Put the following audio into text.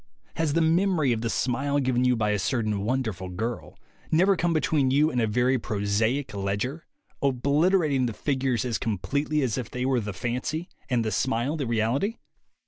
Has the memory of the smile given you by a certain wonderful girl never come between you and a very prosaic ledger, obliter ating the figures as completely as if they were the fancy and the smile the reality?